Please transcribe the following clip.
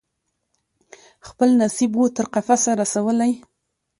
خپل نصیب وو تر قفسه رسولی